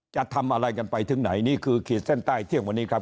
จะทำอะไรกันไปถึงไหนนี่คือขีดเส้นใต้เที่ยงวันนี้ครับ